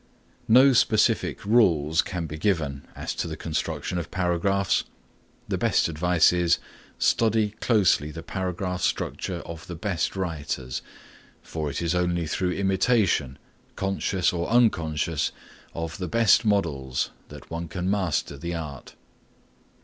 No specific rules can be given as to the construction of paragraphs. The best advice is, Study closely the paragraph structure of the best writers, for it is only through imitation, conscious or unconscious of the best models, that one can master the art.